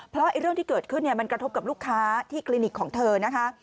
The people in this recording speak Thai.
เพราะเรื่องที่เกิดขึ้นมันกระทบกับลูกค้าที่คลินิกของเธอนะคะ